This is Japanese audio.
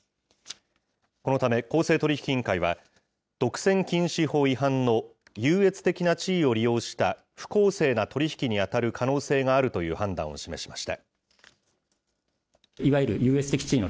このため公正取引委員会は、独占禁止法違反の優越的な地位を利用した不公正な取り引きに当たる可能性があるという判断を示しました。